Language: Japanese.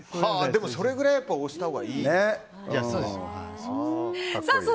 でも、それくらい押したほうがいいと。